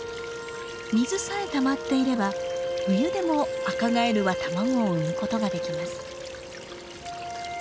水さえたまっていれば冬でもアカガエルは卵を産むことができます。